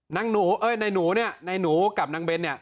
นายหนูเนี่ยนายหนูกับนางเบนเนี่ย